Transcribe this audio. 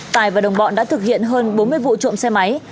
tài và đồng bọn đã thực hiện hơn bốn mươi vụ trộm xe máy